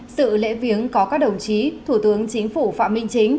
sự lễ viếng có các đồng chí thủ tướng chính phủ phạm minh chính